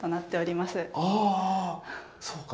あそうか。